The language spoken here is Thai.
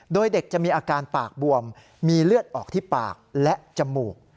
โดยเด็กจะมีอาการปากบวมมีเลือดออกที่ปากและจมูก